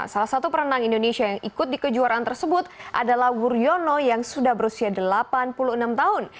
salah satu perenang indonesia yang ikut di kejuaraan tersebut adalah wuryono yang sudah berusia delapan puluh enam tahun